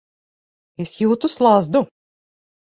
Es jūtu slazdu.